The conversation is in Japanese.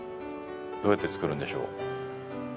どうやって作るんでしょう。